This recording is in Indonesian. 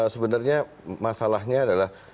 sebenarnya masalahnya adalah